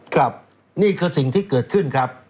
ครับนี่คือสิ่งที่เกิดขึ้นครับ